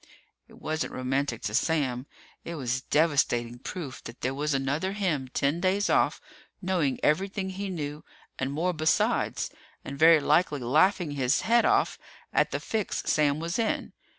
It wasn't romantic to Sam. It was devastating proof that there was another him ten days off, knowing everything he knew and more besides, and very likely laughing his head off at the fix Sam was in.